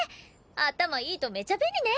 頭いいとめちゃ便利ね！